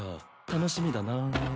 楽しみだな。